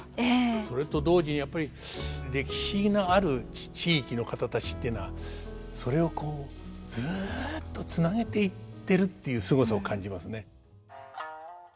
それと同時にやっぱり歴史のある地域の方たちっていうのはそれをこうずっとつなげていってるっていうすごさを感じますね。